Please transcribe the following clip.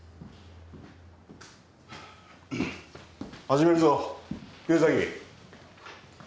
始めるぞ竜崎。